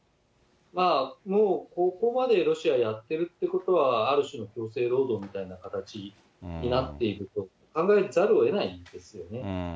もうここまでロシアやっているということは、ある種の強制労働みたいな形になってると考えざるをえないですよ